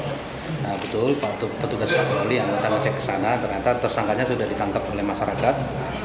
nah betul petugas pak krali yang ditangkap cek ke sana ternyata tersangkanya sudah ditangkap oleh masyarakat